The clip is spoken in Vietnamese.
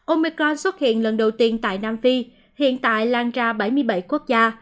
omecon xuất hiện lần đầu tiên tại nam phi hiện tại lan ra bảy mươi bảy quốc gia